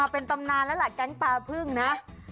เป็นตำนานแล้วล่ะแก๊งปลาพึ่งนะ